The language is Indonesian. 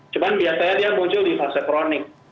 cuman biasanya dia muncul di fase kronik